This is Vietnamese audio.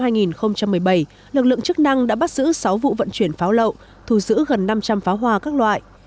chỉ trong vòng hai tháng cuối năm hai nghìn một mươi bảy lực lượng chức năng đã bắt giữ sáu vụ vận chuyển pháo lậu thù giữ gần năm trăm linh pháo hòa các loại